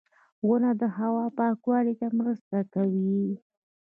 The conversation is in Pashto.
• ونه د هوا پاکوالي ته مرسته کوي.